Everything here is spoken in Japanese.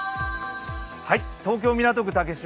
東京・港区竹芝